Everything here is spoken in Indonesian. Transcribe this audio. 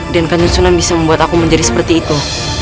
dan kanjong sunan bisa membuat aku menjadi seperti itu